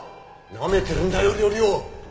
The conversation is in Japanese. なめてるんだよ料理を！